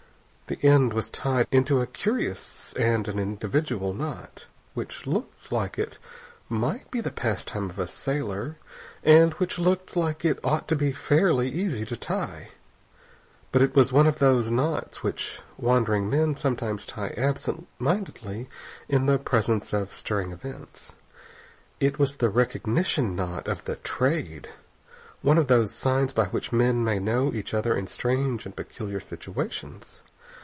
The end was tied into a curious and an individual knot, which looked like it might be the pastime of a sailor, and which looked like it ought to be fairly easy to tie. But it was one of those knots which wandering men sometimes tie absent mindedly in the presence of stirring events. It was the recognition knot of the Trade, one of those signs by which men may know each other in strange and peculiar situations.